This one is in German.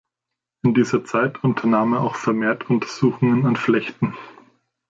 In dieser Zeit unternahm er auch vermehrt Untersuchungen an Flechten.